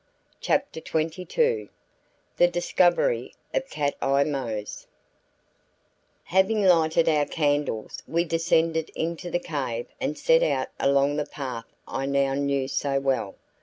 CHAPTER XXII THE DISCOVERY OF CAT EYE MOSE Having lighted our candles, we descended into the cave and set out along the path I now knew so well.